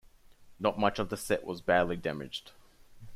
Not much of the set was badly damaged.